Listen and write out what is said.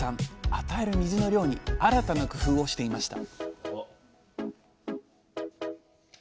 与える水の量に新たな工夫をしていました